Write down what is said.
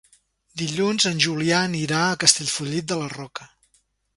Dilluns en Julià anirà a Castellfollit de la Roca.